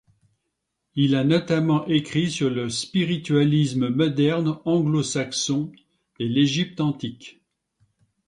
Il a notamment écrit sur le spiritualisme moderne anglo-saxon et l'Égypte antique.